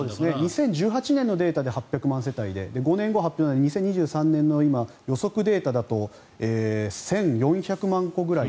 ２０１８年のデータで８００万世帯で、５年後発表の２０２３年の予測データだと１４００万戸くらい。